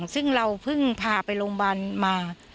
ซึ่งเราเพิ่งพาไปโรงพยาบาลมา